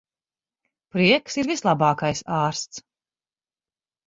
Prieks ir vislabākais ārsts.